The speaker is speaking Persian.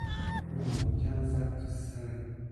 او محکم زد تو سرم.